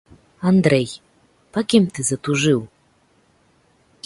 Андрэй, па кім ты затужыў?